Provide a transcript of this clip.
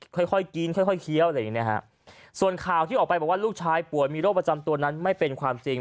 ค่อยค่อยกินค่อยค่อยเคี้ยวอะไรอย่างเงี้ฮะส่วนข่าวที่ออกไปบอกว่าลูกชายป่วยมีโรคประจำตัวนั้นไม่เป็นความจริง